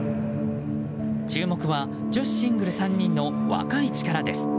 注目は女子シングル３人の若い力です。